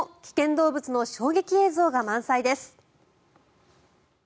動物の衝撃映像が満載です。